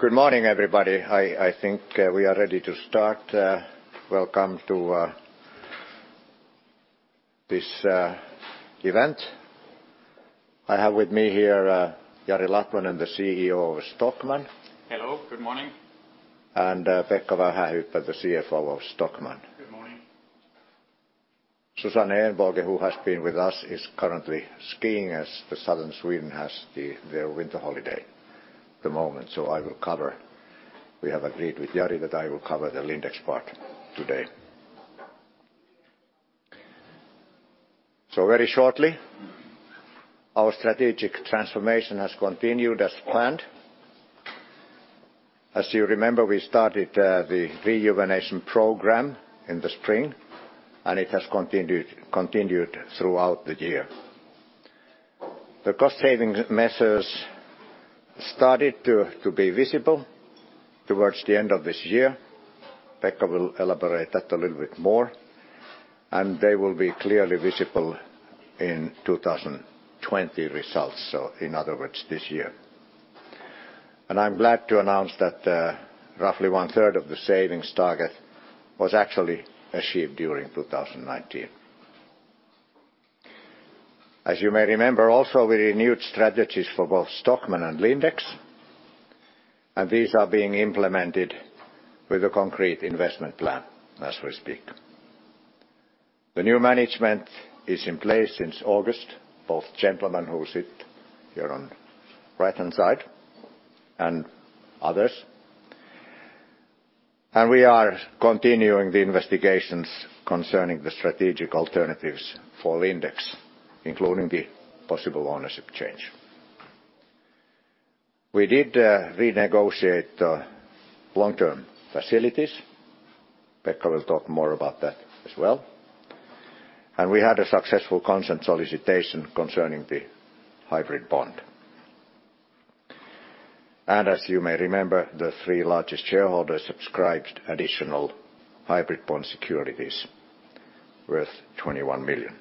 Good morning, everybody. I think we are ready to start. Welcome to this event. I have with me here, Jari Latvanen, the CEO of Stockmann. Hello, good morning. Pekka Vähähyyppä, the CFO of Stockmann. Good morning. Susanne Ehnbåge, who has been with us, is currently skiing as southern Sweden has their winter holiday at the moment. We have agreed with Jari that I will cover the Lindex part today. Very shortly, our strategic transformation has continued as planned. As you remember, we started the rejuvenation program in the spring, and it has continued throughout the year. The cost saving measures started to be visible towards the end of this year. Pekka will elaborate that a little bit more, and they will be clearly visible in 2020 results, so in other words this year. I'm glad to announce that roughly one-third of the savings target was actually achieved during 2019. As you may remember also, we renewed strategies for both Stockmann and Lindex, and these are being implemented with a concrete investment plan as we speak. The new management is in place since August, both gentlemen who sit here on right-hand side and others. We are continuing the investigations concerning the strategic alternatives for Lindex, including the possible ownership change. We did renegotiate long-term facilities. Pekka will talk more about that as well. We had a successful consent solicitation concerning the hybrid bond. As you may remember, the three largest shareholders subscribed additional hybrid bond securities worth EUR 21 million.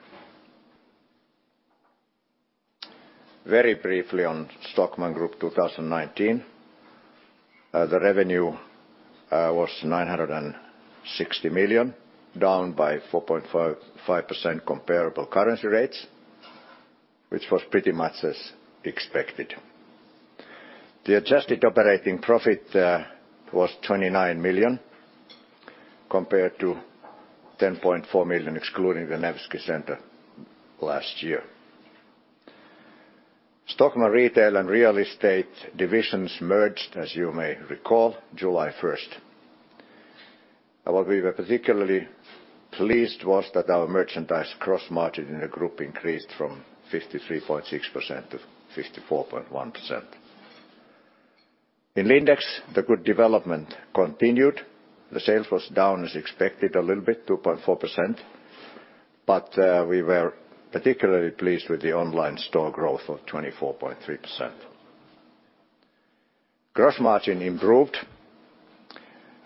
Very briefly on Stockmann Group 2019, the revenue was 960 million, down by 4.5% comparable currency rates, which was pretty much as expected. The adjusted operating profit was 29 million compared to 10.4 million excluding the Nevsky Centre last year. Stockmann Retail and Real Estate divisions merged, as you may recall, July 1st. What we were particularly pleased was that our merchandise gross margin in the group increased from 53.6% to 54.1%. In Lindex, the good development continued. The sales was down as expected a little bit, 2.4%, but we were particularly pleased with the online store growth of 24.3%. Gross margin improved.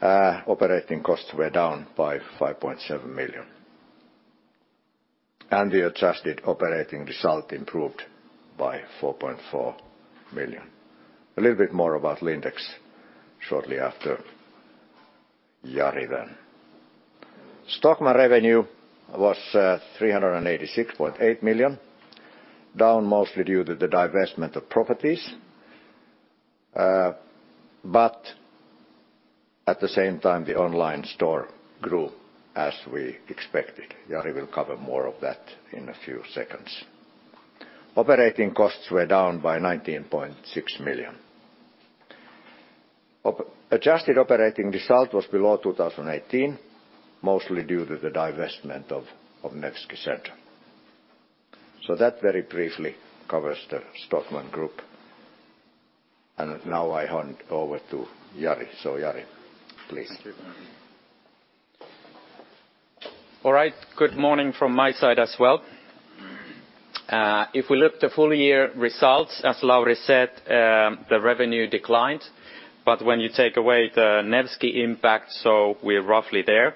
Operating costs were down by 5.7 million, and the adjusted operating result improved by 4.4 million. A little bit more about Lindex shortly after Jari then. Stockmann revenue was 386.8 million, down mostly due to the divestment of properties. At the same time, the online store grew as we expected. Jari will cover more of that in a few seconds. Operating costs were down by 19.6 million. Adjusted operating result was below 2018, mostly due to the divestment of Nevsky Centre. That very briefly covers the Stockmann Group. Now I hand over to Jari. Jari, please. Thank you. All right. Good morning from my side as well. If we look the full year results, as Lauri said, the revenue declined, but when you take away the Nevsky impact, we're roughly there.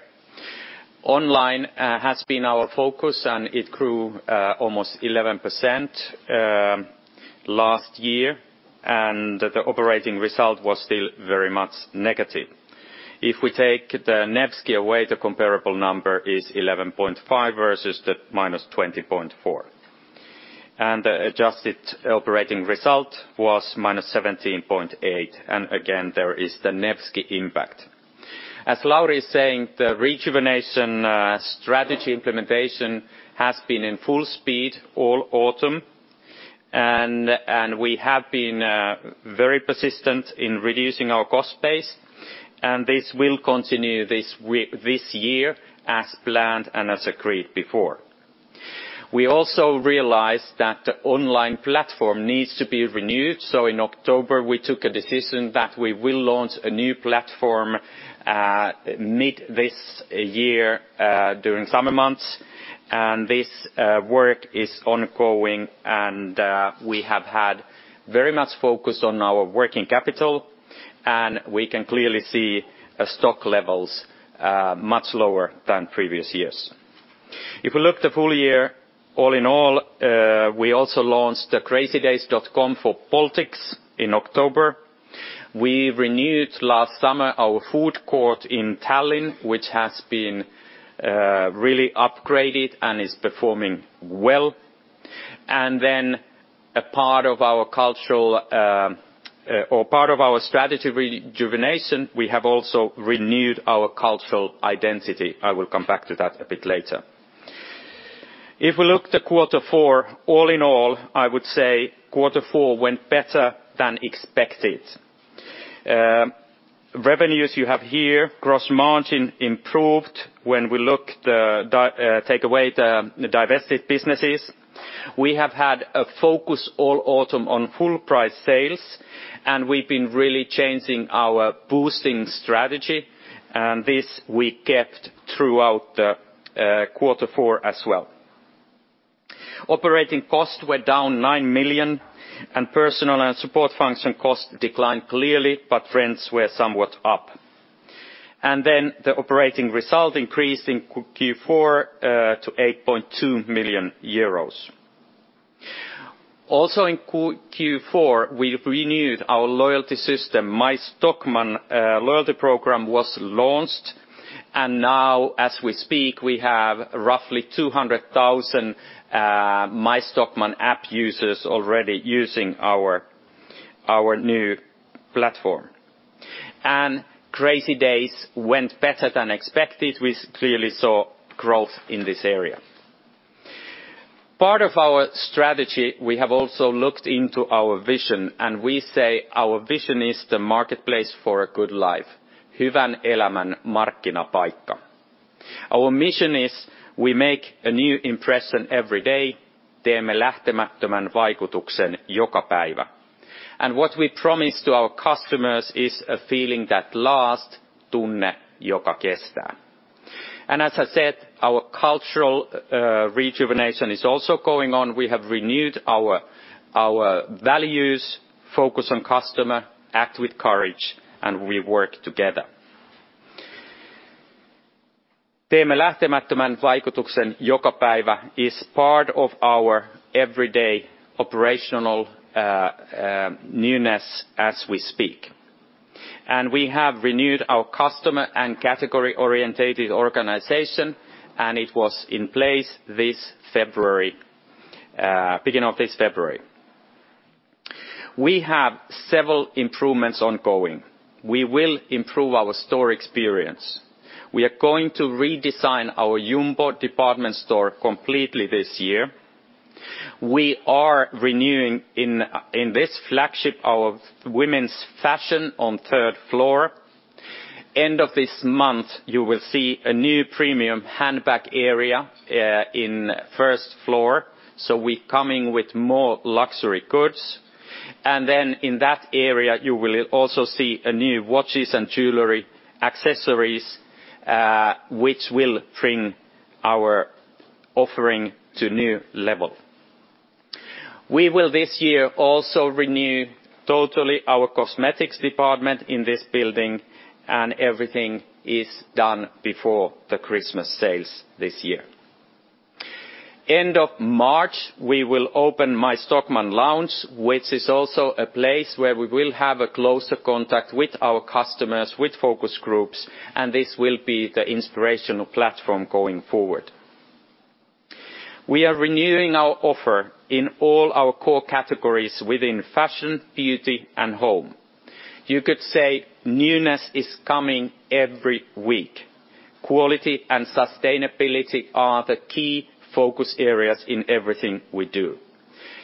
Online has been our focus and it grew almost 11% last year, and the operating result was still very much negative. If we take the Nevsky away, the comparable number is 11.5 versus -20.4. The adjusted operating result was -17.8, and again, there is the Nevsky impact. As Lauri is saying, the Revisioning strategy implementation has been in full speed all autumn and we have been very persistent in reducing our cost base, and this will continue this year as planned and as agreed before.. We also realized that the online platform needs to be renewed. In October we took a decision that we will launch a new platform mid this year during summer months. This work is ongoing, and we have had very much focus on our working capital, and we can clearly see stock levels much lower than previous years. If we look the full year, all in all, we also launched the crazydays.com for Baltics in October. We renewed last summer our food court in Tallinn, which has been really upgraded and is performing well. A part of our cultural, or part of our strategy rejuvenation, we have also renewed our cultural identity. I will come back to that a bit later. If we look to quarter four, all in all, I would say quarter four went better than expected. Revenues you have here, gross margin improved when we look take away the divested businesses. We have had a focus all autumn on full price sales, and we've been really changing our boosting strategy, and this we kept throughout the quarter four as well. Operating costs were down 9 million. Personal and support function costs declined clearly, rents were somewhat up. The operating result increased in Q4 to 8.2 million euros. Also in Q4, we renewed our loyalty system, My Stockmann loyalty program was launched. Now as we speak, we have roughly 200,000 My Stockmann app users already using our new platform. Crazy Days went better than expected. We clearly saw growth in this area. Part of our strategy, we have also looked into our vision, and we say our vision is the marketplace for a good life. Our mission is we make a new impression every day. What we promise to our customers is a feeling that lasts. As I said, our cultural rejuvenation is also going on. We have renewed our values, focus on customer, act with courage, and we work together, is part of our everyday operational newness as we speak. We have renewed our customer and category-orientated organization, and it was in place beginning of this February. We have several improvements ongoing. We will improve our store experience. We are going to redesign our Jumbo department store completely this year. We are renewing in this flagship our women's fashion on third floor. End of this month, you will see a new premium handbag area, in first floor, so we coming with more luxury goods. In that area, you will also see a new watches and jewelry accessories, which will bring our offering to new level. Everything is done before the Christmas sales this year. End of March, we will open My Stockmann lounge, which is also a place where we will have a closer contact with our customers, with focus groups, and this will be the inspirational platform going forward. We are renewing our offer in all our core categories within fashion, beauty, and home. You could say newness is coming every week. Quality and sustainability are the key focus areas in everything we do.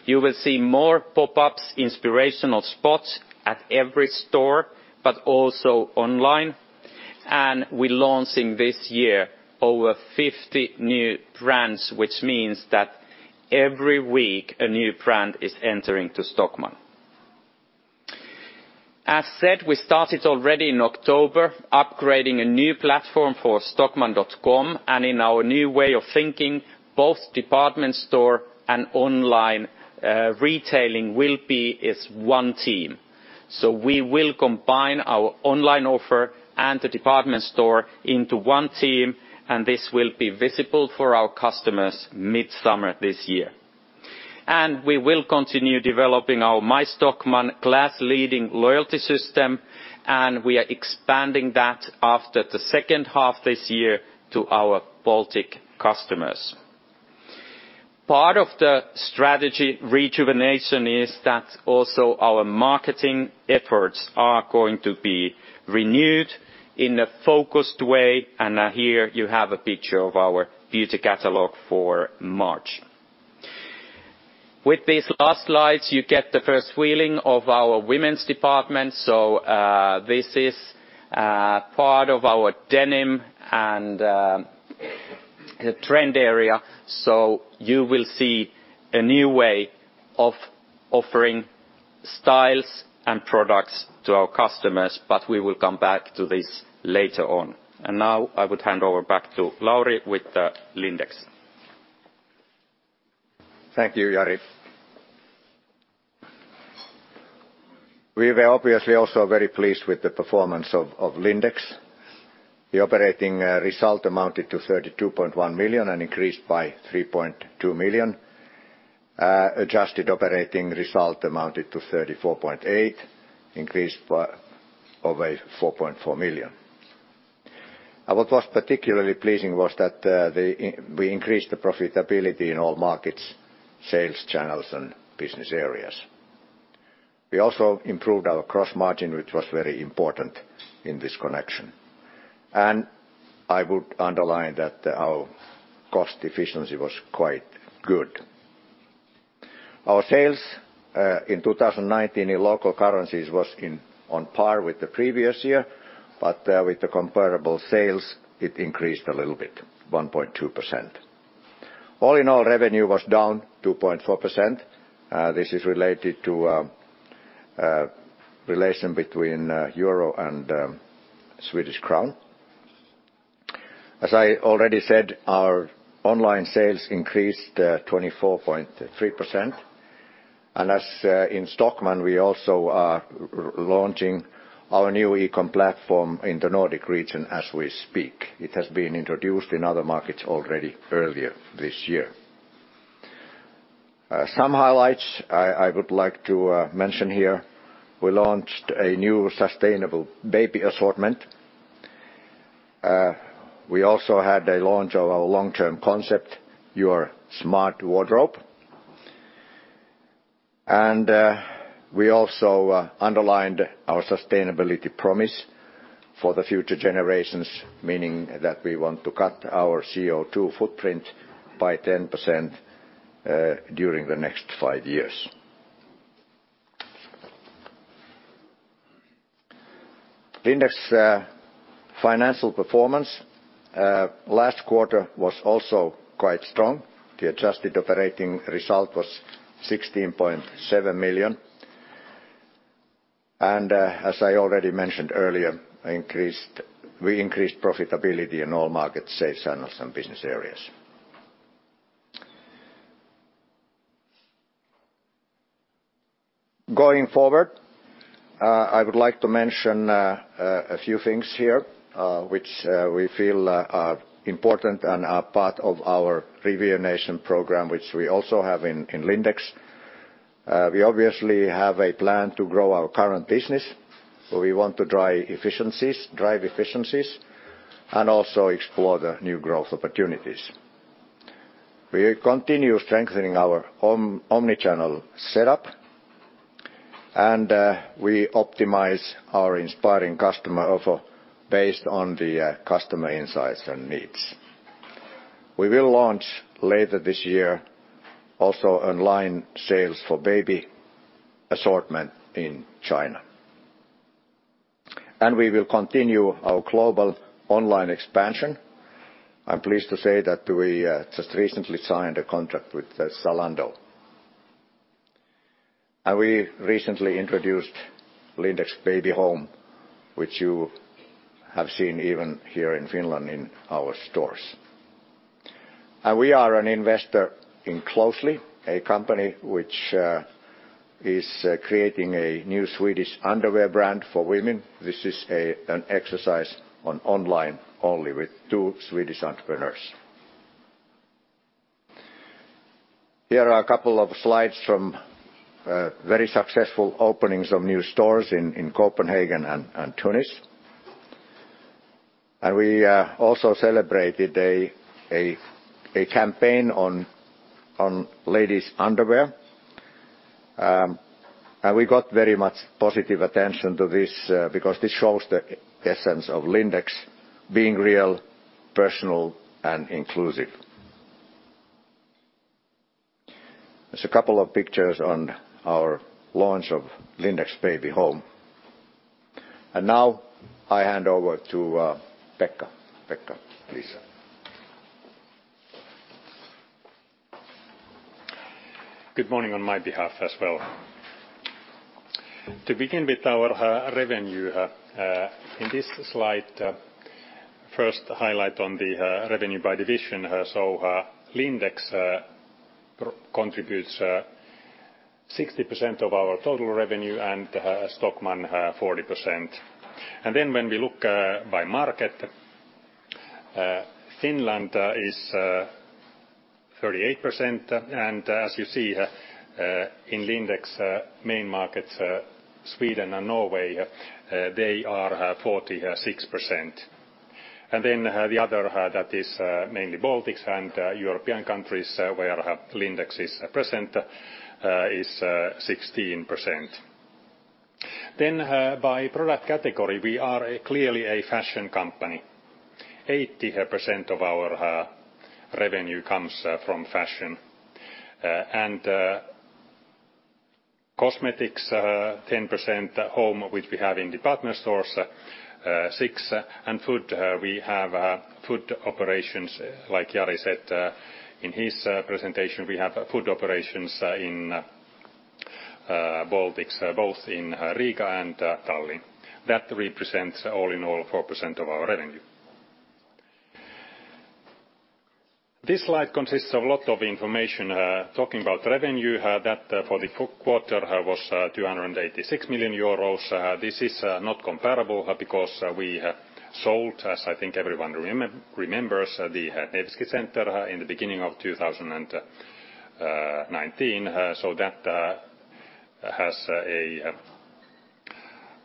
You will see more pop-ups, inspirational spots at every store, but also online. We're launching this year over 50 new brands, which means that every week, a new brand is entering to Stockmann. As said, we started already in October upgrading a new platform for stockmann.com, and in our new way of thinking, both department store and online retailing will be as one team. We will combine our online offer and the department store into one team, and this will be visible for our customers mid-summer this year. We will continue developing our My Stockmann class-leading loyalty system, and we are expanding that after the second half this year to our Baltic customers. Part of the strategy rejuvenation is that also our marketing efforts are going to be renewed in a focused way, and here you have a picture of our beauty catalog for March. With these last slides, you get the first feeling of our women's department. This is part of our denim and the trend area. You will see a new way of offering styles and products to our customers, but we will come back to this later on. Now I would hand over back to Lauri with the Lindex. Thank you, Jari. We were obviously also very pleased with the performance of Lindex. The operating result amounted to 32.1 million, increased by 3.2 million. Adjusted operating result amounted to 34.8 million, increased by over 4.4 million. What was particularly pleasing was that we increased the profitability in all markets, sales channels, and business areas. We also improved our cross margin, which was very important in this connection. I would underline that our cost efficiency was quite good. Our sales in 2019 in local currencies was on par with the previous year, with the comparable sales it increased a little bit, 1.2%. All in all, revenue was down 2.4%. This is related to a relation between euro and Swedish crown. As I already said, our online sales increased 24.3%. As in Stockmann we also are launching our new e-com platform in the Nordic region as we speak. It has been introduced in other markets already earlier this year. Some highlights I would like to mention here. We launched a new sustainable baby assortment. We also had a launch of our long-term concept, Your Smart Wardrobe. We also underlined our sustainability promise for the future generations, meaning that we want to cut our CO2 footprint by 10% during the next five years. Lindex' financial performance last quarter was also quite strong. The adjusted operating result was 16.7 million. As I already mentioned earlier, we increased profitability in all markets, sales channels, and business areas. Going forward, I would like to mention a few things here, which we feel are important and are part of our ReVizionation program, which we also have in Lindex. We obviously have a plan to grow our current business, where we want to drive efficiencies and also explore the new growth opportunities. We continue strengthening our omnichannel setup, and we optimize our inspiring customer offer based on the customer insights and needs. We will launch later this year also online sales for baby assortment in China. We will continue our global online expansion. I'm pleased to say that we just recently signed a contract with Zalando. We recently introduced Lindex Baby Home, which you have seen even here in Finland in our stores. We are an investor in Closely, a company which is creating a new Swedish underwear brand for women. This is an exercise on online only with two Swedish entrepreneurs. Here are a couple of slides from very successful openings of new stores in Copenhagen and Tunis. We also celebrated a campaign on ladies underwear. We got very much positive attention to this because this shows the essence of Lindex being real, personal, and inclusive. There's a couple of pictures on our launch of Lindex Baby Home. Now I hand over to Pekka. Pekka, please. Good morning on my behalf as well. To begin with our revenue in this slide, first highlight on the revenue by division. Lindex contributes 60% of our total revenue, and Stockmann 40%. When we look by market, Finland is 38%, and as you see in Lindex' main markets, Sweden and Norway, they are 46%. The other that is mainly Baltics and European countries, where Lindex is present, is 16%. By product category we are clearly a fashion company. 80% of our revenue comes from fashion. Cosmetics 10%. Home, which we have in department stores, 6%. Food, we have food operations, like Jari said, in his presentation, we have food operations in Baltics, both in Riga and Tallinn. That represents all in all 4% of our revenue. This slide consists of a lot of information, talking about revenue, that for the fourth quarter was 286 million euros. This is not comparable, because we sold, as I think everyone remembers, the Nevsky Centre in the beginning of 2019. That has a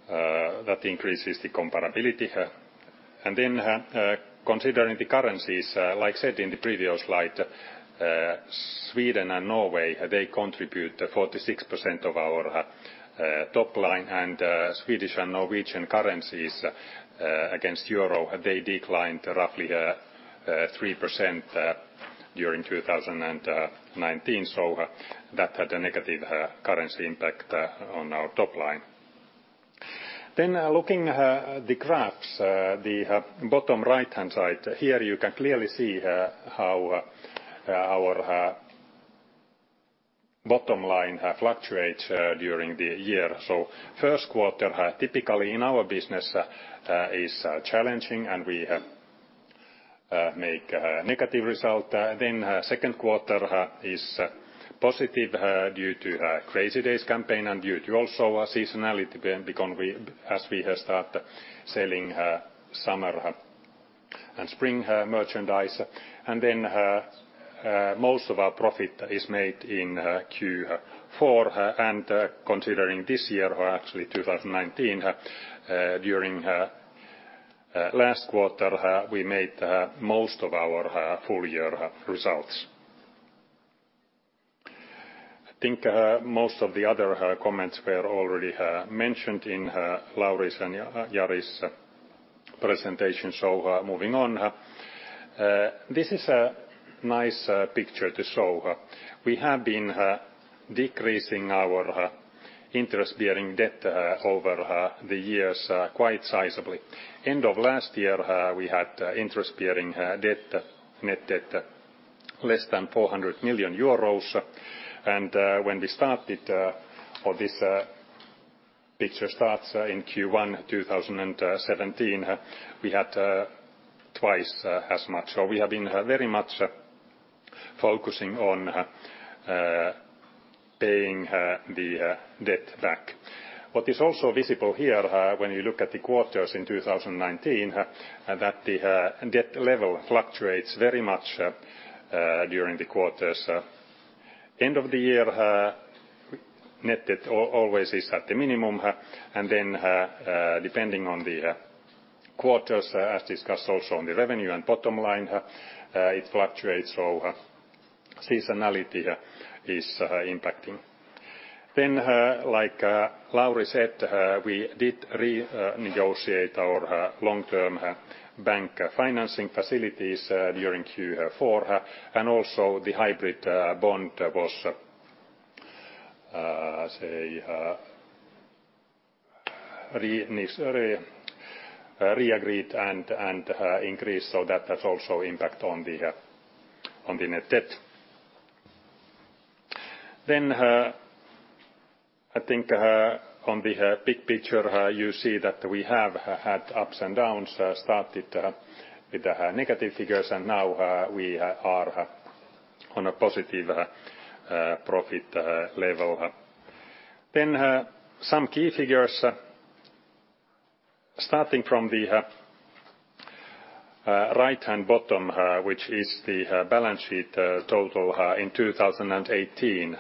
that increases the comparability. Considering the currencies, like I said in the previous slide, Sweden and Norway, they contribute 46% of our top line and Swedish and Norwegian currencies against euro, they declined roughly 3% during 2019. That had a negative currency impact on our top line. Looking at the graphs, the bottom right-hand side, here you can clearly see how our bottom line fluctuates during the year. First quarter, typically in our business, is challenging, and we make a negative result. Second quarter is positive due to a Crazy Days campaign and due to also a seasonality boom as we start selling summer and spring merchandise. Most of our profit is made in Q4. Considering this year, or actually 2019, during last quarter, we made most of our full year results. I think most of the other comments were already mentioned in Lauri's and Jari's presentation. Moving on. This is a nice picture to show. We have been decreasing our interest-bearing debt over the years quite sizably. End of last year, we had interest-bearing debt, net debt less than 400 million euros. When we started, or this picture starts in Q1 2017, we had twice as much. We have been very much focusing on paying the debt back. What is also visible here, when you look at the quarters in 2019, that the debt level fluctuates very much during the quarters. End of the year, net debt always is at the minimum. Depending on the quarters, as discussed also on the revenue and bottom line, it fluctuates, so seasonality is impacting. Like Lauri said, we did renegotiate our long-term bank financing facilities during Q4. Also the hybrid bond was, say, reagreed and increased. That has also impact on the net debt. I think on the big picture, you see that we have had ups and downs, started with the negative figures, now we are on a positive profit level. Some key figures. Starting from the right-hand bottom, which is the balance sheet total in 2018.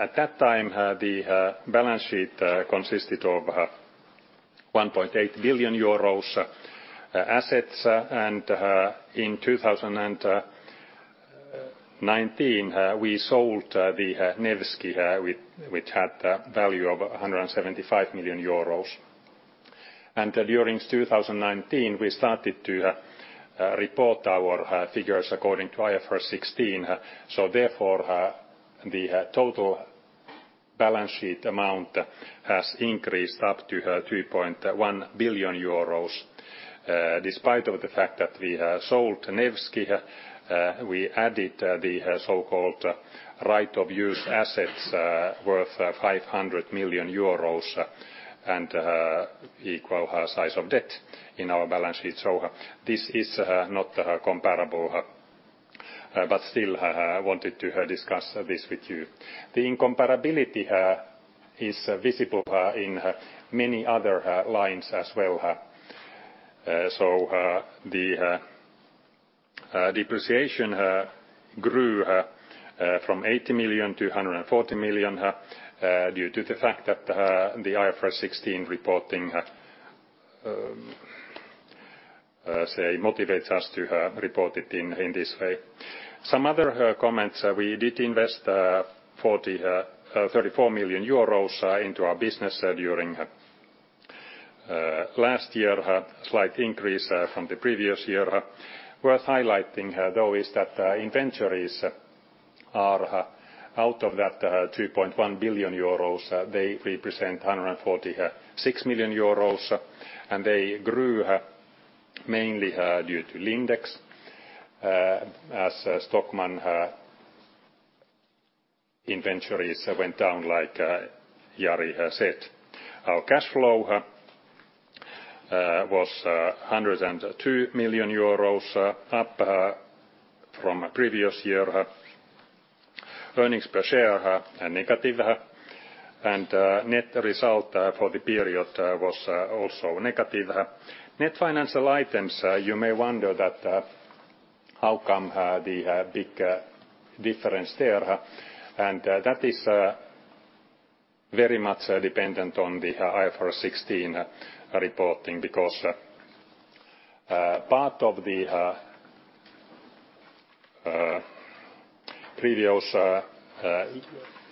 At that time, the balance sheet consisted of 1.8 billion euros assets. In 2019, we sold the Nevsky, which had a value of 175 million euros. During 2019, we started to report our figures according to IFRS 16. The total balance sheet amount has increased up to 2.1 billion euros. Despite of the fact that we have sold Nevsky, we added the so-called right-of-use assets worth 500 million euros and equal size of debt in our balance sheet. This is not comparable, but still, I wanted to discuss this with you. The incomparability is visible in many other lines as well. So the depreciation grew from 80 million to 140 million due to the fact that the IFRS 16 reporting motivates us to report it in this way. Some other comments, we did invest EUR 34 million into our business during last year, a slight increase from the previous year. Worth highlighting, though, is that inventories are out of that 2.1 billion euros. They represent 146 million euros, and they grew mainly due to Lindex, as Stockmann inventories went down like Jari has said. Our cash flow was 102 million euros up from previous year. Earnings per share are negative, and net result for the period was also negative. Net financial items, you may wonder that how come the big difference there, and that is very much dependent on the IFRS 16 reporting because part of the previous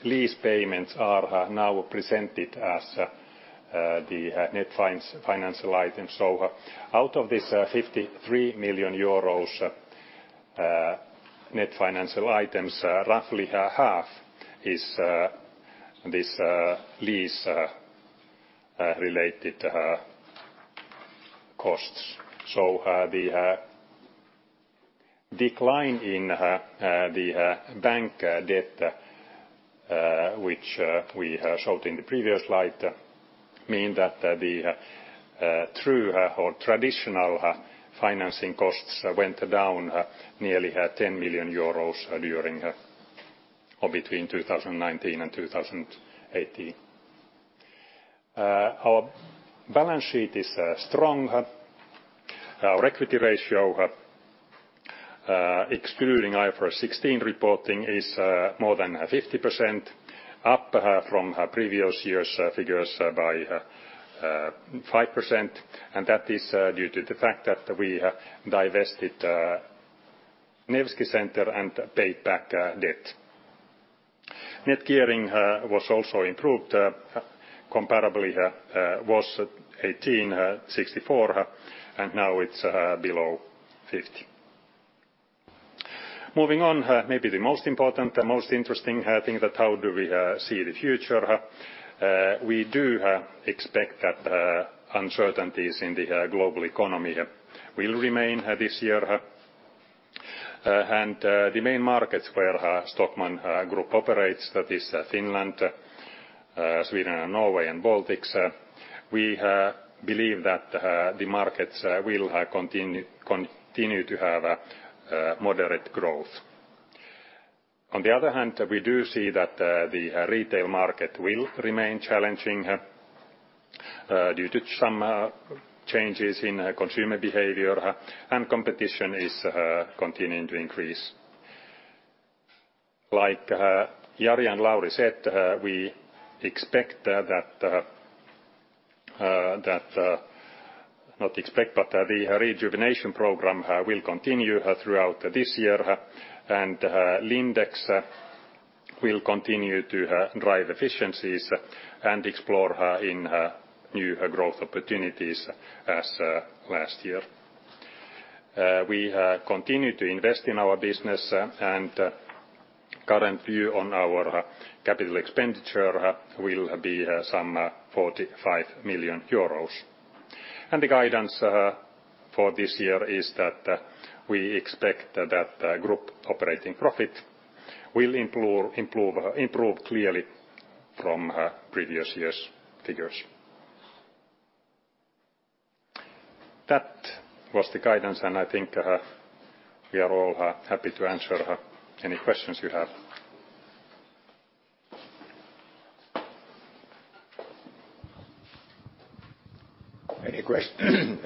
lease payments are now presented as the net financial items. Out of this 53 million euros net financial items, roughly half is this lease related to costs. The decline in the bank debt which we showed in the previous slide mean that the true or traditional financing costs went down nearly 10 million euros during or between 2019 and 2018. Our balance sheet is strong. Our equity ratio, excluding IFRS 16 reporting, is more than 50% up from previous year's figures by 5%, and that is due to the fact that we divested Nevsky Centre and paid back debt. Net gearing was also improved comparably, was 1,864, and now it's below 50. Moving on, maybe the most important, the most interesting thing that how do we see the future. We do expect that uncertainties in the global economy will remain this year. The main markets where Stockmann Group operates, that is Finland, Sweden and Norway and Baltics, we believe that the markets will continue to have moderate growth. On the other hand, we do see that the retail market will remain challenging due to some changes in consumer behavior, and competition is continuing to increase. Like Jari and Lauri said, we expect that. Not expect, but the rejuvenation program will continue throughout this year, and Lindex will continue to drive efficiencies and explore in new growth opportunities as last year. We continue to invest in our business, and current view on our capital expenditure will be some 45 million euros. The guidance for this year is that we expect that group operating profit will improve clearly from previous year's figures. That was the guidance, and I think we are all happy to answer any questions you have.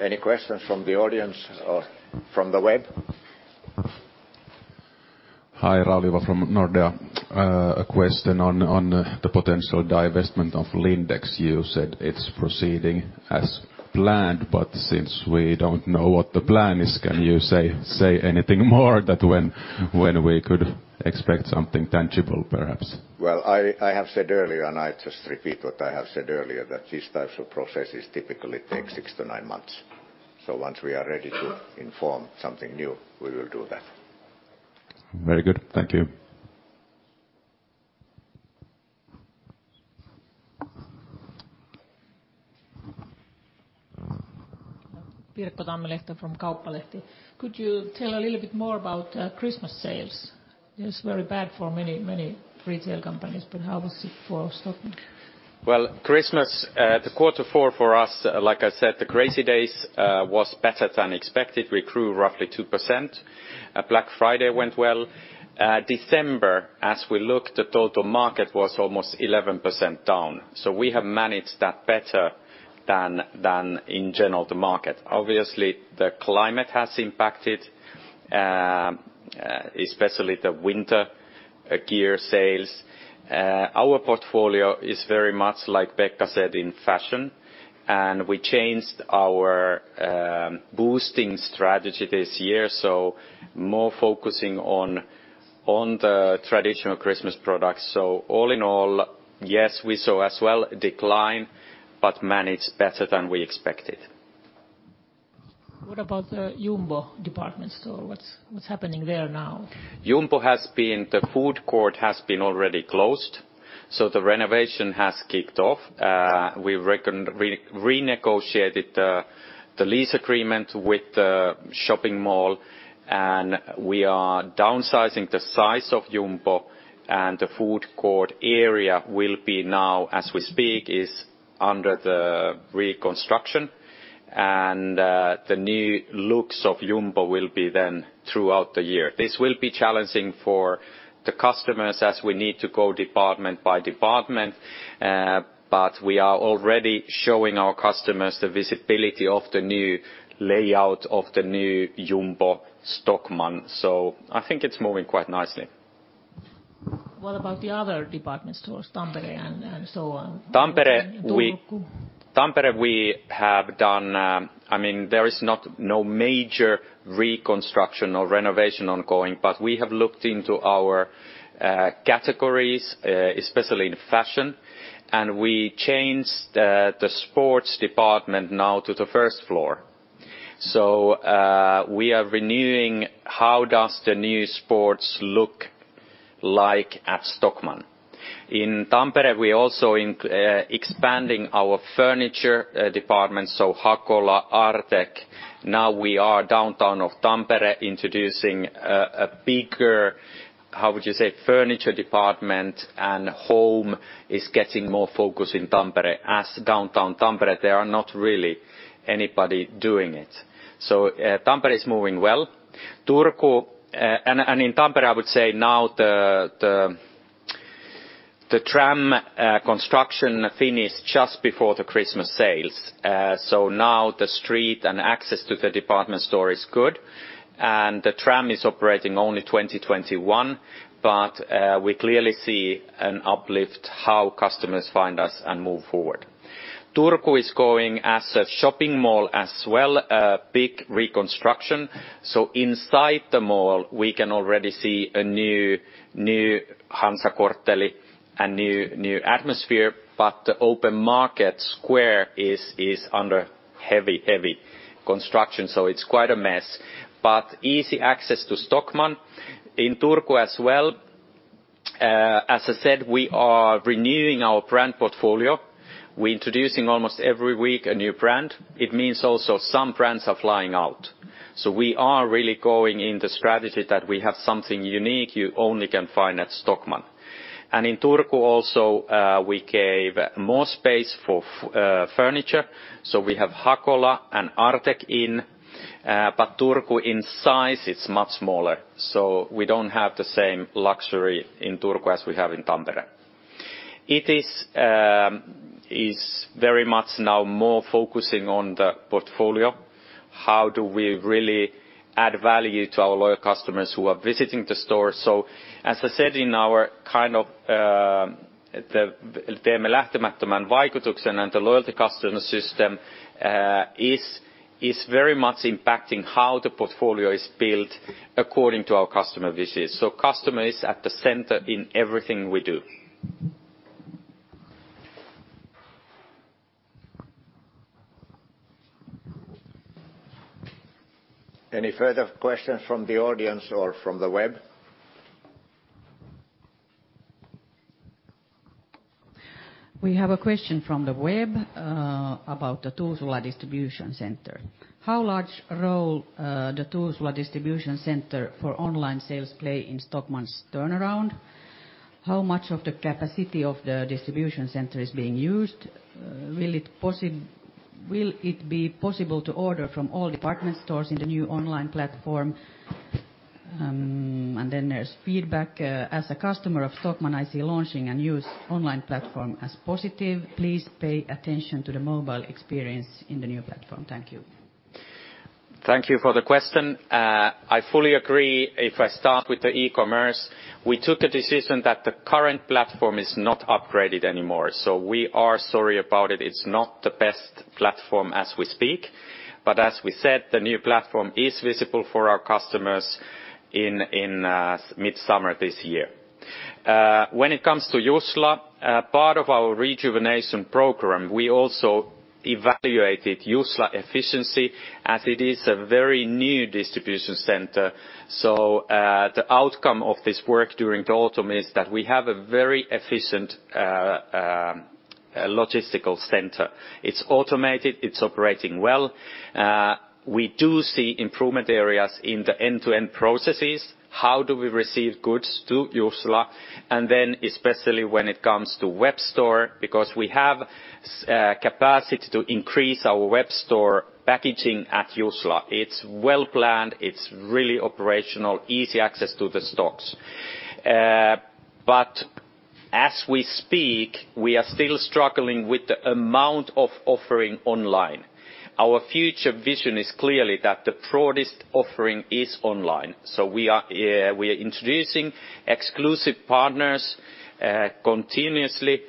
Any questions from the audience or from the web? Hi, Raul Ojala from Nordea. A question on the potential divestment of Lindex. You said it's proceeding as planned. Since we don't know what the plan is, can you say anything more that when we could expect something tangible, perhaps? Well, I have said earlier, and I just repeat what I have said earlier, that these types of processes typically take six to nine months. Once we are ready to inform something new, we will do that. Very good. Thank you. Pirkko Tammilehto from Kauppalehti. Could you tell a little bit more about Christmas sales? It's very bad for many retail companies, but how was it for Stockmann? Well, Christmas, the quarter four for us, like I said, the Crazy Days, was better than expected. We grew roughly 2%. Black Friday went well. December, as we look, the total market was almost 11% down. We have managed that better than in general the market. Obviously, the climate has impacted, especially the winter gear sales. Our portfolio is very much, like Pekka said, in fashion, and we changed our boosting strategy this year, more focusing on the traditional Christmas products. All in all, yes, we saw as well decline but managed better than we expected. What about the Jumbo department store? What's happening there now? The food court has been already closed. The renovation has kicked off. We renegotiated the lease agreement with the shopping mall, we are downsizing the size of Jumbo, the food court area will be now, as we speak, is under the reconstruction. The new looks of Jumbo will be then throughout the year. This will be challenging for the customers as we need to go department by department, but we are already showing our customers the visibility of the new layout of the new Jumbo Stockmann. I think it's moving quite nicely. What about the other department stores, Tampere and so on? Tampere. Turku. Tampere we have done, I mean, there is no major reconstruction or renovation ongoing, but we have looked into our categories, especially in fashion, and we changed the sports department now to the first floor. We are renewing how does the new sports look like at Stockmann. In Tampere, we're also expanding our furniture department, so Hakola, Artek. Now we are downtown of Tampere introducing a bigger, how would you say, furniture department, and home is getting more focus in Tampere. As downtown Tampere, there are not really anybody doing it. Tampere is moving well. Turku. In Tampere, I would say now the tram construction finished just before the Christmas sales. Now the street and access to the department store is good, and the tram is operating only 2021, but we clearly see an uplift how customers find us and move forward. Turku is going as a shopping mall as well, a big reconstruction. Inside the mall, we can already see a new Hansakortteli and new atmosphere, but the open market square is under heavy construction, so it's quite a mess. Easy access to Stockmann in Turku as well. As I said, we are renewing our brand portfolio. We're introducing almost every week a new brand. It means also some brands are flying out. We are really going in the strategy that we have something unique you only can find at Stockmann. In Turku also, we gave more space for furniture, so we have Hakola and Artek in, but Turku in size is much smaller, so we don't have the same luxury in Turku as we have in Tampere. It is very much now more focusing on the portfolio, how do we really add value to our loyal customers who are visiting the store? As I said in our kind of, the Teemme lähtemättömän vaikutuksen and the loyalty customer system, is very much impacting how the portfolio is built according to our customer visits, so customer is at the center in everything we do. Any further questions from the audience or from the web? We have a question from the web about the Tuusula distribution center. How large role the Tuusula distribution center for online sales play in Stockmann's turnaround? How much of the capacity of the distribution center is being used? Will it be possible to order from all department stores in the new online platform? Then there's feedback. As a customer of Stockmann, I see launching a new online platform as positive. Please pay attention to the mobile experience in the new platform. Thank you. Thank you for the question. I fully agree. If I start with the e-commerce, we took the decision that the current platform is not upgraded anymore. We are sorry about it. It's not the best platform as we speak. As we said, the new platform is visible for our customers in mid-summer this year. When it comes to Tuusula, part of our rejuvenation program, we also evaluated Tuusula efficiency as it is a very new distribution center. The outcome of this work during the autumn is that we have a very efficient logistical center. It's automated. It's operating well. We do see improvement areas in the end-to-end processes. How do we receive goods to Tuusula? Especially when it comes to web store, because we have capacity to increase our web store packaging at Tuusula. It's well planned. It's really operational. Easy access to the stocks. As we speak, we are still struggling with the amount of offering online. Our future vision is clearly that the broadest offering is online. We are introducing exclusive partners continuously.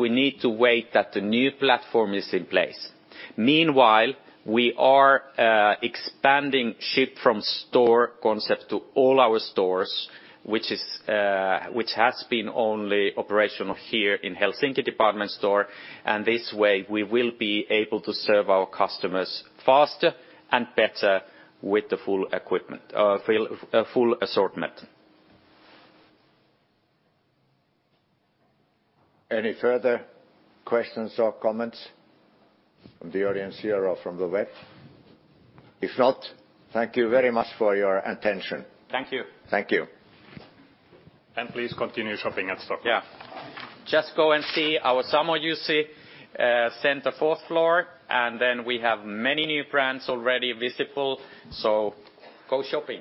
We need to wait that the new platform is in place. Meanwhile, we are expanding ship from store concept to all our stores, which has been only operational here in Helsinki department store. This way we will be able to serve our customers faster and better with the full assortment. Any further questions or comments from the audience here or from the web? If not, thank you very much for your attention. Thank you. Thank you. Please continue shopping at Stockmann. Yeah. Just go and see our summer Juhannus center fourth floor. We have many new brands already visible. Go shopping.